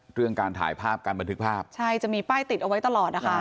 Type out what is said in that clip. เรื่องการถ่ายภาพการบันทึกภาพใช่จะมีป้ายติดเอาไว้ตลอดนะคะ